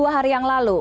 dua hari yang lalu